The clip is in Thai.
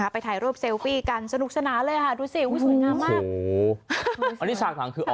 ไปถ่ายรูปเซลฟี่กันสนุกสนานเลยค่ะดูสิสวยงามมาก